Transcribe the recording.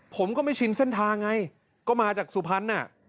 ผมก็ไม่ชินเส้นทางไงก็มาจากสุพรรณน่ะ